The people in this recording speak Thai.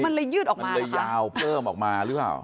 มันเลยยืดออกมามันเลยยาวเพิ่มออกมาหรือเปล่า